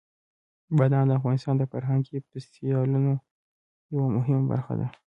بادام د افغانستان د فرهنګي فستیوالونو یوه مهمه برخه ده.